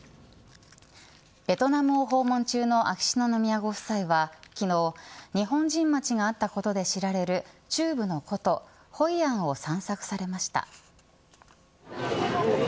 ベトナムを訪問中の秋篠宮ご夫妻は昨日、日本人町があったことで知られる中部の古都ホイアンを散策されました。